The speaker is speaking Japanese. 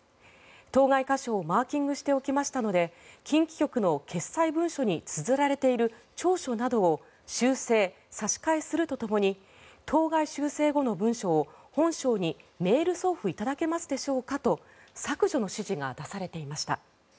当該箇所をマーキングしておきましたので近畿局の決裁文書につづられている調書などを修正・差し替えするとともに当該修正後の文書を本省にメール送付いただけますでしょうかと削除の指示が出されていました。